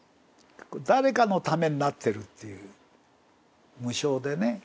誰かのためになってるっていう無償でね。